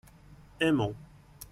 aimons.